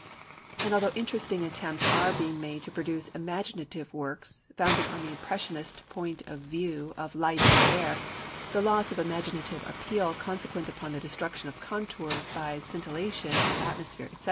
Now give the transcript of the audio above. And although interesting attempts are being made to produce imaginative works founded on the impressionist point of view of light and air, the loss of imaginative appeal consequent upon the destruction of contours by scintillation, atmosphere, &c.